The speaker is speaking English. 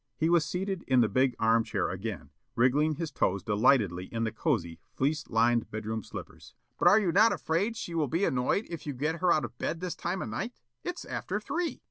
He was seated in the big arm chair again, wriggling his toes delightedly in the cozy, fleece lined bed room slippers. "But are you not afraid she will be annoyed if you get her out of bed this time o' night? It's after three."